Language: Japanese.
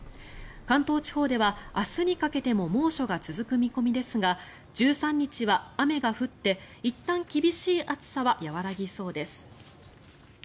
関東地方では明日にかけても猛暑が続く見込みですが１３日は雨が降って、いったん厳しい暑さは和らぎそうです。